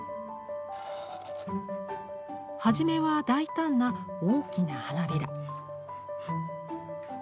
はじめは大胆な大きな花びら。